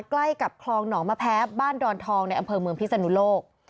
ใกล้กับคลองหนองมะแพ้บ้านดอนทองในอำเภอเมืองพิศนุโลก